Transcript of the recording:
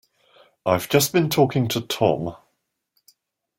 I've just been talking to Tom.